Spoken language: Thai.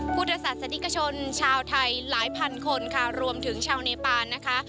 พุทธศาสนิกชนชาวไทยหลายพันคนค่ะรวมถึงชาวเนปานนะคะ